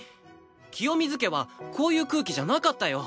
清水家はこういう空気じゃなかったよ。